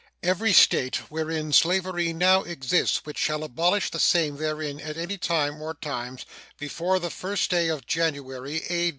Every State wherein slavery now exists which shall abolish the same therein at any time or times before the 1st day of January, A.